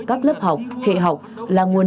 các lớp học hệ học là nguồn